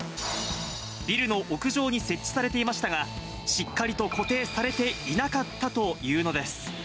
ビルの屋上に設置されていましたが、しっかりと固定されていなかったというのです。